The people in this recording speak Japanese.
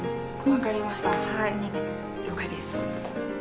分かりましたお願い了解です